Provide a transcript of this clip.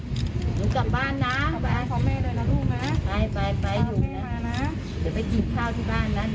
เดี๋ยวไปกินข้าวที่บ้านนะเดี๋ยวย้าหาข้าวให้กิน